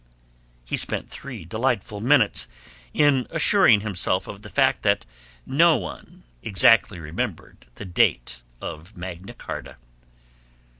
He spent three delightful minutes in assuring himself of the fact that no one exactly remembered the date of Magna Charta.